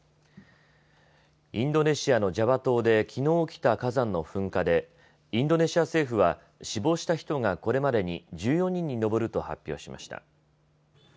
インドネシアのジャワ島できのう起きた火山の噴火でインドネシア政府は死亡した人がこれまでに１４人に上ると発表しました。